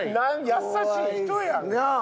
優しい人やん。なあ？